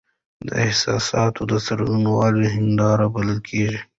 د احساساتو د څرګندوني هنداره بلل کیږي .